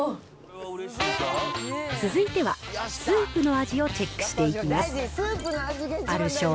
続いては、スープの味をチェックしていきます。